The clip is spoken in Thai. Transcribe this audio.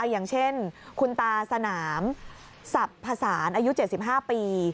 อย่างเช่นคุณตาสนามผสานอายุ๗๕ปี